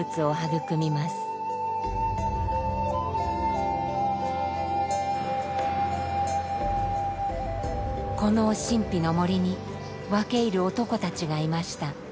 この神秘の森に分け入る男たちがいました。